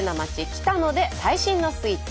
北野で最新のスイーツ。